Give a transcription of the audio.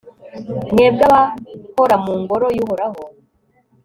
mwebwe abahora mu ngoro y'uhoraho